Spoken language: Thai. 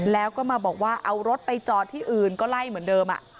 แล้วก็มาบอกว่าเอารถไปจอดที่อื่นก็ไล่เหมือนเดิม